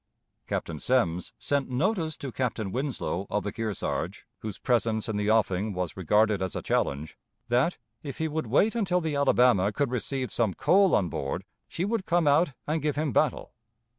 Captain Semmes sent notice to Captain Winslow, of the Kearsarge, whose presence in the offing was regarded as a challenge, that, if he would wait until the Alabama could receive some coal on board, she would come out and give him battle.